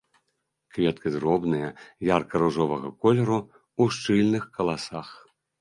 Кветкі дробныя, ярка-ружовага колеру, у шчыльных каласах.